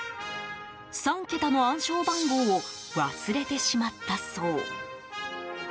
３桁の暗証番号を忘れてしまったそう。